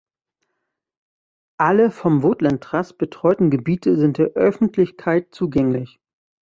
Alle vom Woodland Trust betreuten Gebiete sind der Öffentlichkeit zugänglich.